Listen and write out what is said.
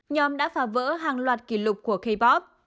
nhóm đã phá vỡ hàng loạt kỷ lục của kb